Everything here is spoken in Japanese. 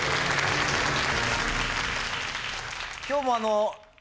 今日もあの。